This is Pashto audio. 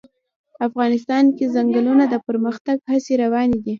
افغانستان کې د چنګلونه د پرمختګ هڅې روانې دي.